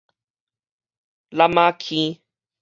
楠仔坑